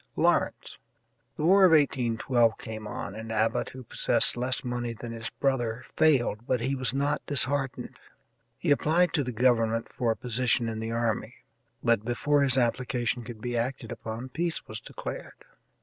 Lawrence. The war of 1812 came on, and Abbott, who possessed less money than his brother, failed, but he was not disheartened. He applied to the government for a position in the army, but before his application could be acted upon peace was declared.